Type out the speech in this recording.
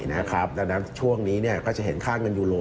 ดังนั้นช่วงนี้ก็จะเห็นค่าเงินยูโร